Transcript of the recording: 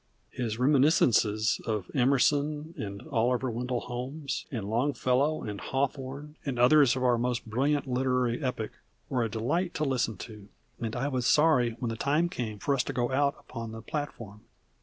His reminiscences of Emerson, and Oliver Wendell Holmes, and Longfellow, and Hawthorne, and others of our most brilliant literary epoch, were a delight to listen to, and I was sorry when the time came for us to go out upon the platform.